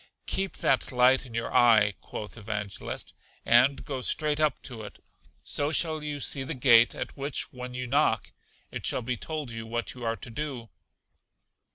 Keep that light in your eye, quoth Evangelist, and go straight up to it; so shall you see the gate, at which, when you knock, it shall be told you what you are to do.